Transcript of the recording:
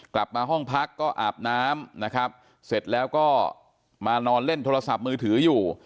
กลับมาห้องพักก็อาบน้ำนะครับเสร็จแล้วก็มานอนเล่นโทรศัพท์มือถืออยู่